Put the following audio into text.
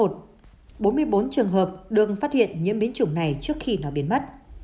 bốn mươi bốn trường hợp đừng phát hiện nhiễm biến chủng này trước khi nó biến mất